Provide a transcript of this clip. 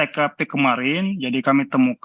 jadi ini adalah potongan kayu yang dikumpulkan oleh tkp